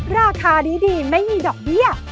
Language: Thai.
ราคาดีไม่มีดอกเบี้ย